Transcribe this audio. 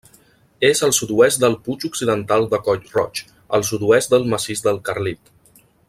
És al sud-oest del Puig Occidental de Coll Roig, al sud-oest del Massís del Carlit.